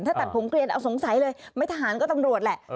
ถ้าตัดผมเกลียนเอาสงสัยเลยไม่ทหารก็ตำรวจแหละ